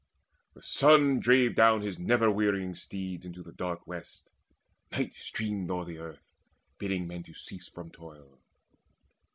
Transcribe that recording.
The sun drave down his never wearying steeds Into the dark west: night streamed o'er the earth, Bidding men cease from toil.